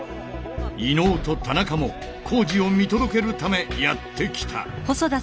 伊野尾と田中も工事を見届けるためやって来た！